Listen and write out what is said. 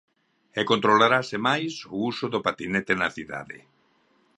E controlarase máis o uso do patinete na cidade.